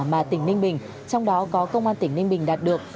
mà tỉnh ninh bình trong đó có công an tỉnh ninh bình đạt được